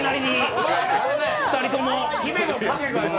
２人とも！